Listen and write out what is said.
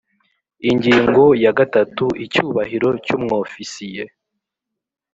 Ingingo ya gatatu Icyubahiro cy umwofisiye